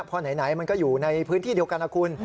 เพราะไหนมันก็อยู่ในพื้นที่เดียวกันนะคุณ